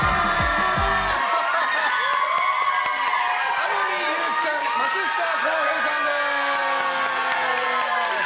天海祐希さん、松下洸平さんです。